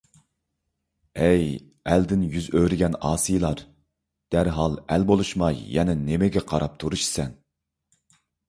ئەي! ئەلدىن يۈز ئۆرۈگەن ئاسىيلار، دەرھال ئەل بولۇشماي يەنە نېمىگە قاراپ تۇرۇشىسەن!